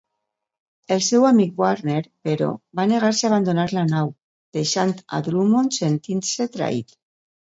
El seu amic Warner, però, va negar-se a abandonar la nau, deixant a Drummond sentint-se traït.